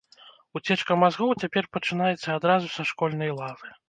Уцечка мазгоў цяпер пачынаецца адразу са школьнай лавы.